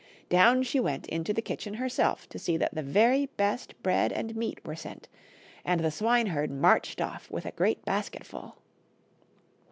Down she wdnt into the kitchen herself to see that the very best bread and meat were sent, and the swineherd marched off with a great basket full.